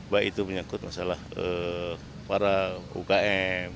baik itu menyangkut masalah para ukm